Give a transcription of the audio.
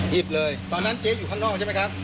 หยิบเลยตอนนั้นเจ๊อยู่ข้างนอกใช่ไหมครับ